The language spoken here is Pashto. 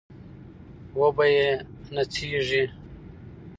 وبه يې نڅېږي